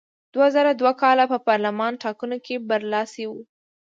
دوه زره دوه کال کې په پارلماني ټاکنو کې برلاسی و.